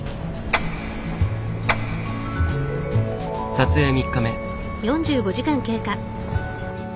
撮影３日目。